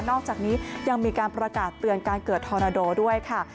อกจากนี้ยังมีการประกาศเตือนการเกิดทอนาโดด้วยค่ะ